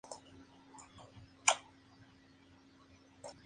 Esto justificaría la natural asociación entre hombre y mujer.